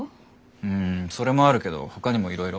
うんそれもあるけどほかにもいろいろ。